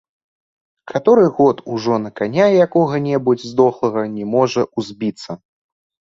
Каторы год ужо на каня якога-небудзь здохлага не можа ўзбіцца.